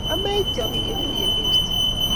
Amech tyong'ik ye kiruyie eng' kerti